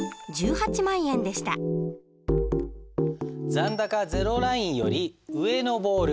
残高ゼロラインより上のボール